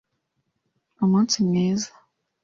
umunsi mwiza.